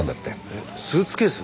えっスーツケース？